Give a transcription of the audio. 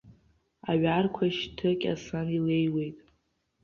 Аҩарқәа шьҭыкьасан илеиуеит.